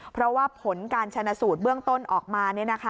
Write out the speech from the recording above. เพราะว่าผลการชนะสูตรเบื้องต้นออกมา